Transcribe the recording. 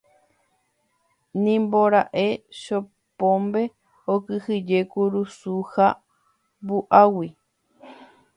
Nimbora'e Chopombe okyhyje kurusu ha vuágui.